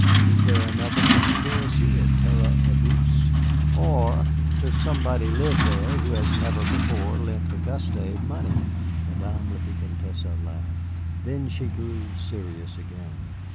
Is there another conspiracy at Terre aux Bœufs, or does somebody live there who has never before lent Auguste money?" Madame la Vicomtesse laughed. Then she grew serious again.